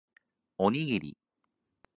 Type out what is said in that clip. おにぎり